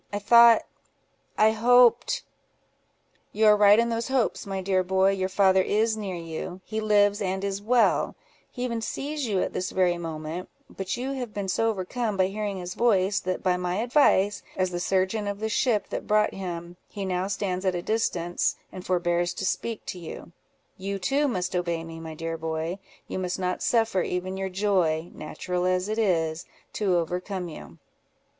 I thought—I hoped——" "You are right in those hopes, my dear boy; your father is near you; he lives and is well; he even sees you at this very moment; but you have been so overcome by hearing his voice, that by my advice, as the surgeon of the ship that brought him, he now stands at a distance, and forbears to speak to you. You too must obey me, my dear boy; you must not suffer even your joy (natural as it is) to overcome you."